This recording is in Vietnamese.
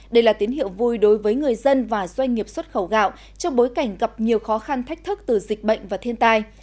đây là tín hiệu vui đối với người dân và doanh nghiệp xuất khẩu gạo trong bối cảnh gặp nhiều khó khăn thách thức từ dịch bệnh và thiên tai